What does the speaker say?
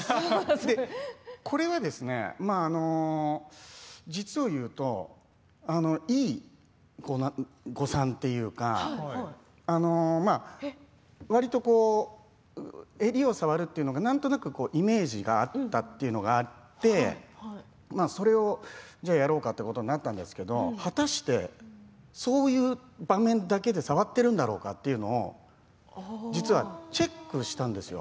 これはですね、実を言うといい誤算というかわりと襟を触るというのがなんとなくイメージがあったというのがあってそれをやろうかということになったんですけど果たしてそういう場面だけで触っているんだろうかというのを実はチェックしたんですよ。